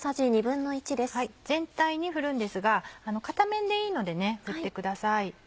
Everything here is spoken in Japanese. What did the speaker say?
全体に振るんですが片面でいいので振ってください。